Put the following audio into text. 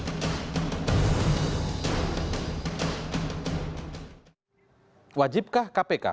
kepada kepasuhan perpustakaan perpustakaan dan kepasuhan perpustakaan